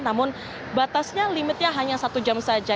namun batasnya limitnya hanya satu jam saja